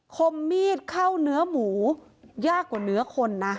คมมีดเข้าเนื้อหมูยากกว่าเนื้อคนนะ